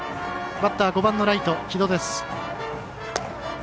バッター、５番のライト城戸。